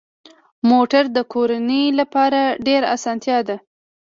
موټر د کورنۍ لپاره ډېره اسانتیا ده.